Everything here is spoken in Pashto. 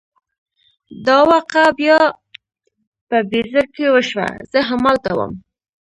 دا واقعه بیا په بیزر کې وشوه، زه همالته وم.